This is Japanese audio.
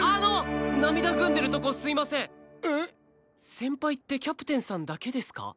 先輩ってキャプテンさんだけですか？